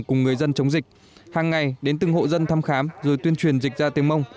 cùng người dân chống dịch hàng ngày đến từng hộ dân thăm khám rồi tuyên truyền dịch ra tiếng mông